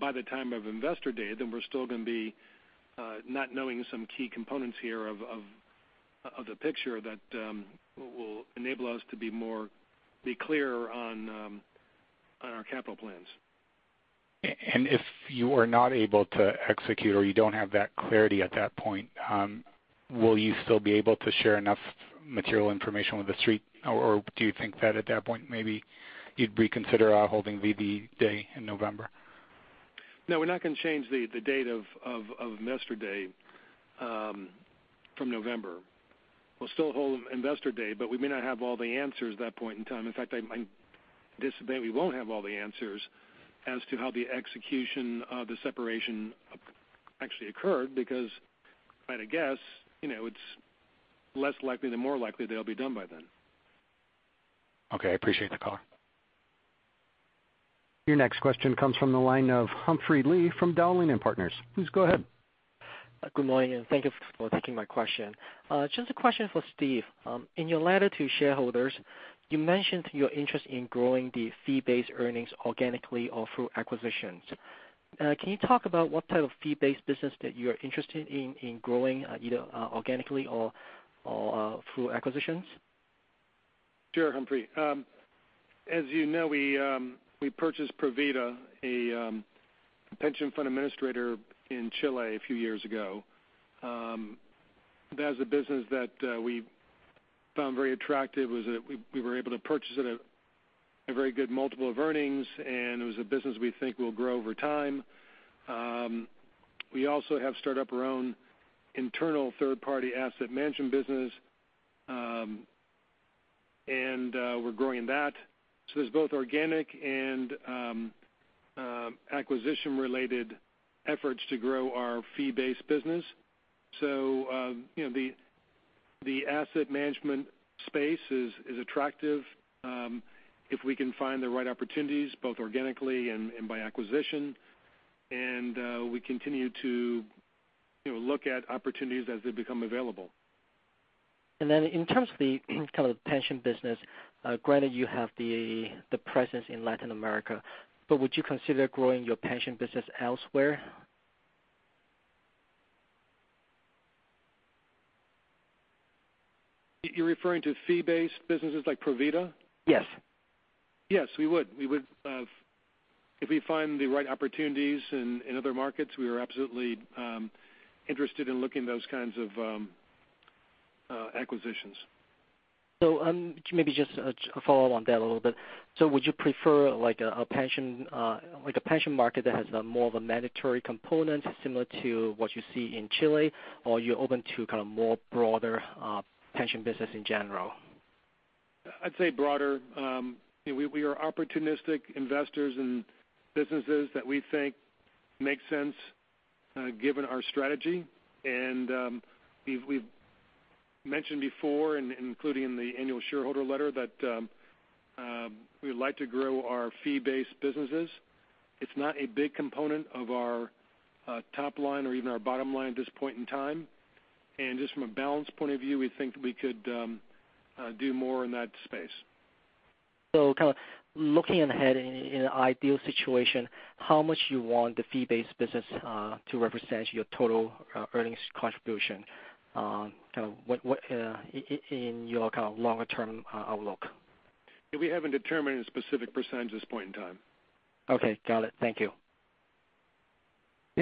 by the time of Investor Day, we're still going to be not knowing some key components here of the picture that will enable us to be clearer on our capital plans. If you are not able to execute or you don't have that clarity at that point, will you still be able to share enough material information with the Street? Do you think that at that point maybe you'd reconsider holding Investor Day in November? No, we're not going to change the date of Investor Day from November. We'll still hold Investor Day, but we may not have all the answers at that point in time. In fact, I anticipate we won't have all the answers as to how the execution of the separation actually occurred because if I had to guess, it's less likely than more likely they'll be done by then. Okay. I appreciate the color. Your next question comes from the line of Humphrey Lee from Dowling & Partners. Please go ahead. Good morning, thank you for taking my question. Just a question for Steve. In your letter to shareholders, you mentioned your interest in growing the fee-based earnings organically or through acquisitions. Can you talk about what type of fee-based business that you're interested in growing, either organically or through acquisitions? Sure, Humphrey. As you know, we purchased Provida, a pension fund administrator in Chile a few years ago. That was a business that we found very attractive. We were able to purchase it at a very good multiple of earnings, and it was a business we think will grow over time. We also have started up our own internal third-party asset management business, and we're growing that. There's both organic and acquisition-related efforts to grow our fee-based business. The asset management space is attractive if we can find the right opportunities, both organically and by acquisition. We continue to look at opportunities as they become available. In terms of the kind of pension business, granted you have the presence in Latin America, would you consider growing your pension business elsewhere? You're referring to fee-based businesses like Provida? Yes. Yes, we would. If we find the right opportunities in other markets, we are absolutely interested in looking at those kinds of acquisitions. Maybe just a follow on that a little bit. Would you prefer a pension market that has more of a mandatory component similar to what you see in Chile, or are you open to kind of more broader pension business in general? I'd say broader. We are opportunistic investors in businesses that we think make sense given our strategy. We've mentioned before, including in the annual shareholder letter, that we would like to grow our fee-based businesses. It's not a big component of our top line or even our bottom line at this point in time. Just from a balance point of view, we think we could do more in that space. Kind of looking ahead in an ideal situation, how much do you want the fee-based business to represent your total earnings contribution in your kind of longer-term outlook? We haven't determined a specific percentage at this point in time. Okay. Got it. Thank you.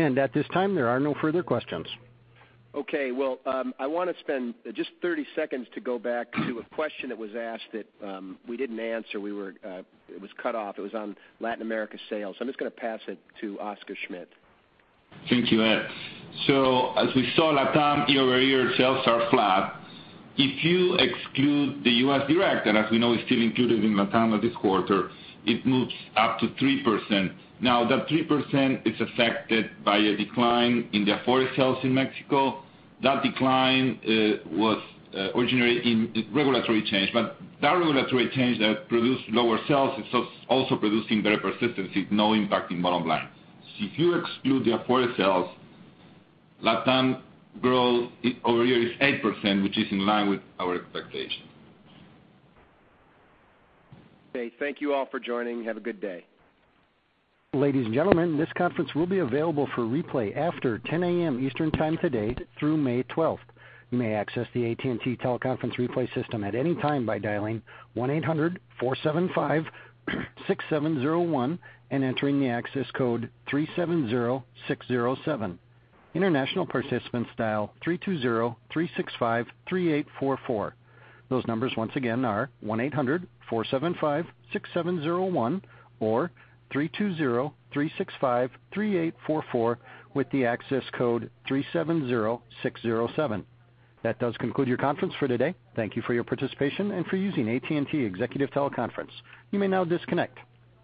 At this time, there are no further questions. Okay. Well, I want to spend just 30 seconds to go back to a question that was asked that we didn't answer. It was cut off. It was on Latin America sales. I'm just going to pass it to Oscar Schmidt. Thank you, Ed. As we saw, LatAm year-over-year sales are flat. If you exclude the U.S. Direct, and as we know it's still included in LatAm at this quarter, it moves up to 3%. That 3% is affected by a decline in the AFORE sales in Mexico. That decline was originally in regulatory change. That regulatory change that produced lower sales is also producing better persistency, no impact in bottom line. If you exclude the AFORE sales, LatAm growth year-over-year is 8%, which is in line with our expectations. Okay. Thank you all for joining. Have a good day. Ladies and gentlemen, this conference will be available for replay after 10:00 A.M. Eastern Time today through May 12th. You may access the AT&T teleconference replay system at any time by dialing 1-800-475-6701 and entering the access code 370607. International participants dial 3203653844. Those numbers once again are 1-800-475-6701 or 3203653844 with the access code 370607. That does conclude your conference for today. Thank you for your participation and for using AT&T Executive Teleconference. You may now disconnect.